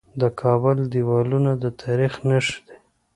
د کابل دیوالونه د تاریخ نښې دي